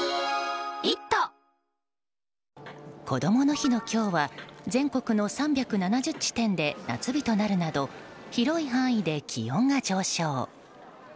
こどもの日の今日は全国の３７０地点で夏日となるなど広い範囲で気温が上昇。